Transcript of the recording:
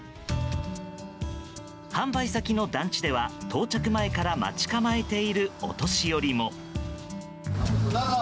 販売先の団地では、到着前から待ち構えているお年寄りも。